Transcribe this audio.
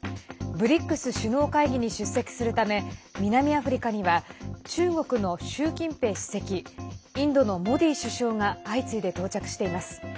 ＢＲＩＣＳ首脳会議に出席するため南アフリカには中国の習近平主席インドのモディ首相が相次いで到着しています。